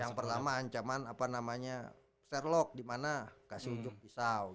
yang pertama ancaman apa namanya sherlock dimana kasih ujung pisau